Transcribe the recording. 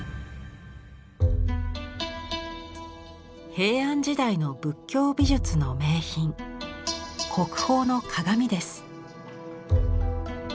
平安時代の仏教美術の名品国宝の鏡です。